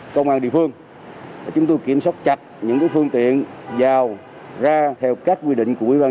công an địa phương chúng tôi kiểm soát chặt những phương tiện vào ra theo các quy định của ủy ban